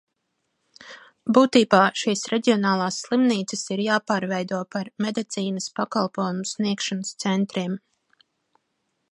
Būtībā šīs reģionālās slimnīcas ir jāpārveido par medicīnas pakalpojumu sniegšanas centriem.